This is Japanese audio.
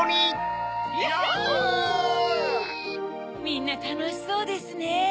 みんなたのしそうですね！